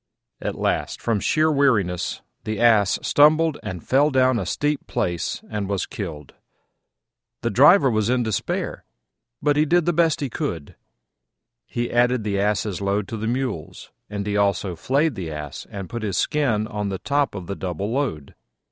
At last, from sheer weariness, the Ass stumbled and fell down a steep place and was killed. The driver was in despair, but he did the best he could: he added the Ass's load to the Mule's, and he also flayed the Ass and put his skin on the top of the double load.